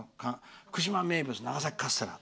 福島名物長崎カステラ。